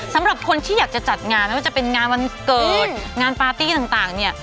สำหรับคนที่อยากจะจัดงานไม่ว่าจะเป็นงานวันเกิดงานปาร์ตี้ต่างเนี่ย